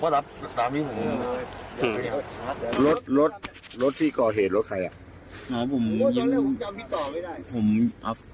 รถที่กรา